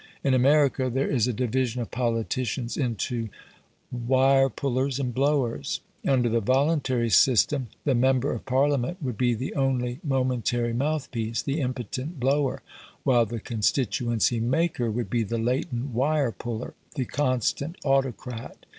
In America there is a division of politicians into wire pullers and blowers; under the voluntary system the member of Parliament would be the only momentary mouth piece the impotent blower; while the constituency maker would be the latent wire puller the constant autocrat.